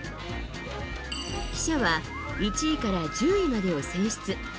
記者は１位から１０位までを選出。